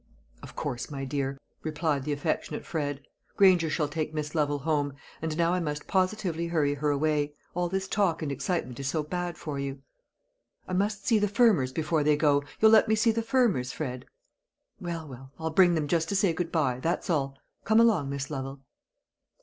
"Of course, my dear," replied the affectionate Fred. "Granger shall take Miss Lovel home. And now I must positively hurry her away; all this talk and excitement is so bad for you." "I must see the Fermors before they go. You'll let me see the Fermors, Fred?" "Well, well, I'll bring them just to say good bye that's all Come along, Miss Lovel."